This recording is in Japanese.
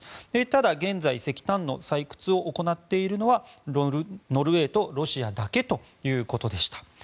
ただ、現在石炭の採掘を行っているのはノルウェーとロシアだけということでした。